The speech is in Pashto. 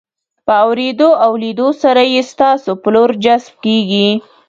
په اورېدو او لیدو سره یې ستاسو په لور جذب کیږي.